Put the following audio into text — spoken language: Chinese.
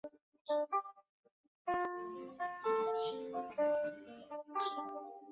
一个整环中的理想被称作主理想当且仅当它是由某个元素的所有倍数组成。